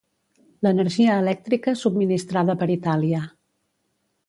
L'energia elèctrica subministrada per Itàlia.